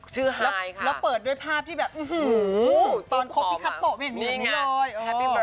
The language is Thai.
ชื่อไฮค่ะ